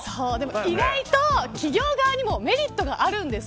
意外と企業側にもメリットがあるんです。